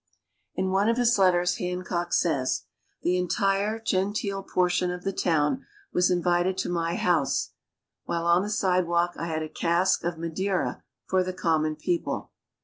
In one of his letters, Hancock says, "The entire Genteel portion of the town was invited to my House, while on the sidewalk I had a cask of Madeira for the Common People."